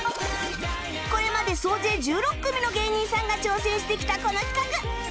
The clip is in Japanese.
これまで総勢１６組の芸人さんが挑戦してきたこの企画